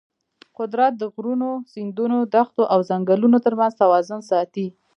قدرت د غرونو، سیندونو، دښتو او ځنګلونو ترمنځ توازن ساتي.